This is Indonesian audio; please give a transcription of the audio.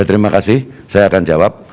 terima kasih saya akan jawab